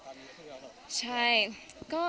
ตื่นไปทำกิจกรมตั้งแต่เช้าเลยด้วย